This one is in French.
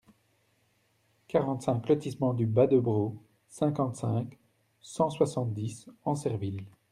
quarante-cinq lotissement du Bas de Braux, cinquante-cinq, cent soixante-dix, Ancerville